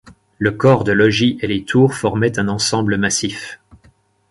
Le corps de logis et les tours formaient un ensemble massif.